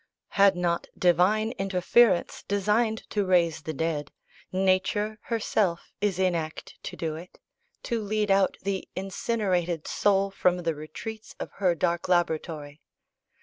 Had not Divine interference designed to raise the dead, nature herself is in act to do it to lead out the "incinerated soul" from the retreats of her dark laboratory.